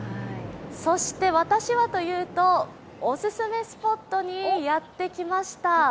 そして私はというとオススメスポットにやってきました。